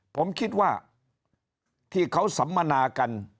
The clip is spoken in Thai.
ผมคิดว่าที่เขาสัมมนากัน